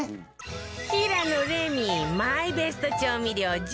平野レミマイベスト調味料１０選